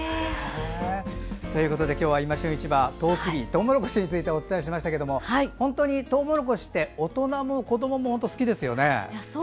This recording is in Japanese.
今日は「いま旬市場」トウモロコシについてお伝えしましたが本当にトウモロコシって大人も子どもも本当、好きですよね。